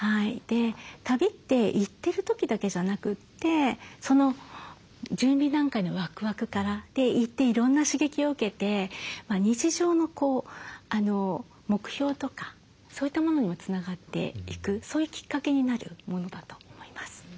旅って行ってる時だけじゃなくてその準備段階のワクワクから行っていろんな刺激を受けて日常の目標とかそういったものにもつながっていくそういうきっかけになるものだと思います。